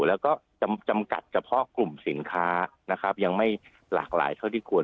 แล้วก็จำกัดเฉพาะกลุ่มสินค้านะครับยังไม่หลากหลายเท่าที่ควร